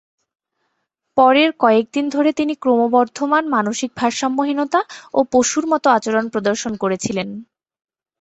পরের কয়েক দিন ধরে, তিনি ক্রমবর্ধমান মানসিক ভারসাম্যহীনতা ও পশুর মতো আচরণ প্রদর্শন করেছিলেন।